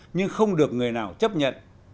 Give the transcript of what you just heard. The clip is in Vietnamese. nhưng không được người nào chấp nhận